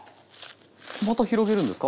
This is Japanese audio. また広げるんですか？